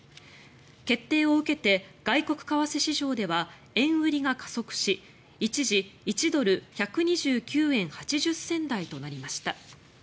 決定を受けて外国為替市場では円売りが加速し一時１ドル＝１２９円８０銭台となりました。